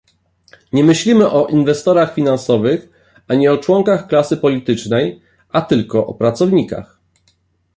Nie myślimy o inwestorach finansowych ani o członkach klasy politycznej, a tylko o pracownikach